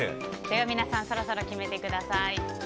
皆さんそろそろ決めてください。